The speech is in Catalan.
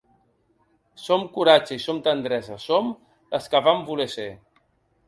Som coratge i som tendresa, som les que vam voler ser.